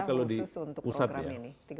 khusus untuk program ini